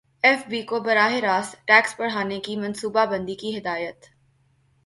F B کو براہ راست ٹیکس بڑھانے کی منصوبہ بندی کی ہدایت